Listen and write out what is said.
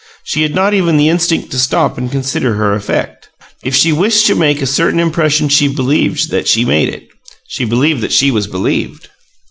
She had not even the instinct to stop and consider her effect. If she wished to make a certain impression she believed that she made it. She believed that she was believed.